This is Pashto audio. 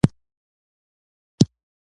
د تا چوکۍ ښه ښکاري